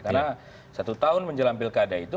karena satu tahun menjelang pilkada itu